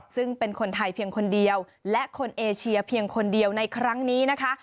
ซึ่งเป็นคนไทยเพียงคนเดียวและคนเอเชียเพียงคนเดียวในครั้งนี้นะคะ